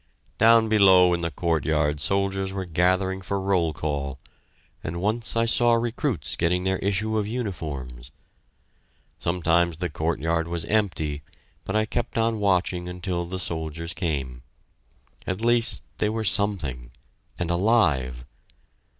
Down below in the courtyard soldiers were gathering for roll call, and once I saw recruits getting their issue of uniforms.... Sometimes the courtyard was empty, but I kept on watching until the soldiers came. At least they were something and alive!